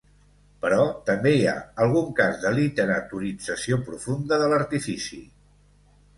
Però també hi ha algun cas de literaturització profunda de l'artifici.